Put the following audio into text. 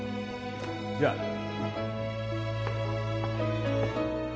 じゃあ